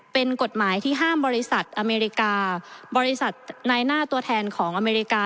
เป็นกฎหมายที่ห้ามบริษัทอเมริกาบริษัทนายหน้าตัวแทนของอเมริกา